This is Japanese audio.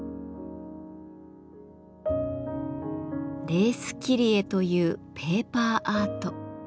「レース切り絵」というペーパーアート。